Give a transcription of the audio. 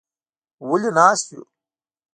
_ولې ناست يو؟